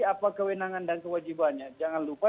apa kewenangan dan kewajibannya jangan lupa